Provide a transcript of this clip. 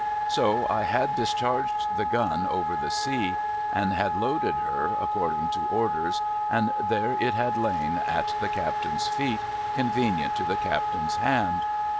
So, I had discharged the gun over the sea, and had loaded her, according to orders, and there it had lain at the Captain's feet, convenient to the Captain's hand.